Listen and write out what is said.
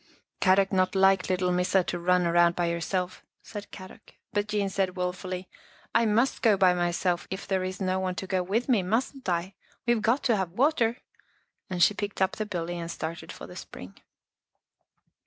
" Kadok not like little Missa to run round by herself," said Kadok, but Jean said wilfully, " I must go by myself if there is no one to go with me, mustn't I? We've got to have water," and she picked up the billy and started for the spring.